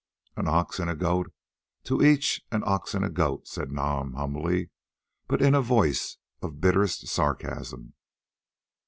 "An ox and a goat—to each an ox and a goat!" said Nam humbly, but in a voice of bitterest sarcasm.